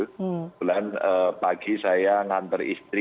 kebetulan pagi saya nganter istri